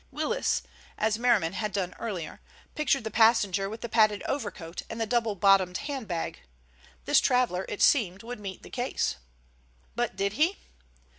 Willis, as Merriman had done earlier, pictured the passenger with the padded overcoat and the double bottomed handbag. This traveller, it seemed, would meet the case. But did he?